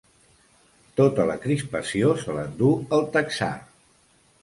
Tota la crispació se l'endú el texà.